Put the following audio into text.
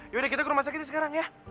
yaudah kita ke rumah sakit sekarang ya